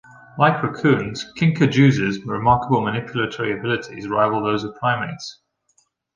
Like raccoons, kinkajous' remarkable manipulatory abilities rival those of primates.